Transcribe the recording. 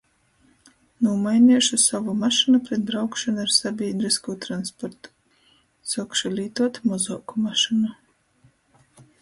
Nūmaineišu sovu mašynu pret braukšonu ar sabīdryskū transportu. Suokšu lītuot mozuoku mašynu.